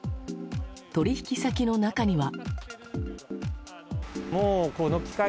取引先の中には。